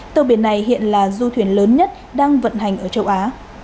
tàu biển này hiện là du thuyền lớn nhất đang vận hành ở châu á